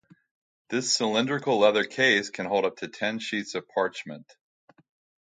This cylindrical leather case can hold up to ten sheets of parchment.